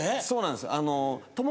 そうなんですえっ